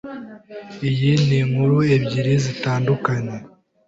Iyi ninkuru ebyiri zitandukanye.